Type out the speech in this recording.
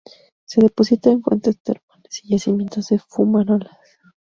Se deposita en fuentes termales y yacimientos de fumarolas.